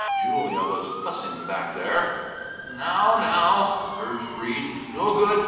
Julia was fussing back there. "Now, now!" urged Breede. "No good.